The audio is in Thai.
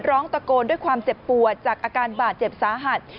ร้องตะโกนด้วยความเจ็บปวดจากอาการบาดเจ็บสาหัส